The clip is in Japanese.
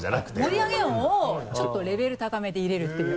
盛り上げ音をちょっとレベル高めで入れるっていう。